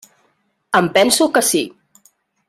Em penso que sí.